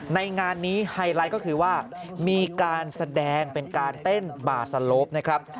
ในงานนี้ไฮไลท์ก็คือว่ามีการแสดงเป็นการเต้นบาร์สโลปนะครับ